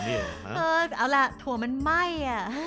เอาล่ะถั่วมันไหม้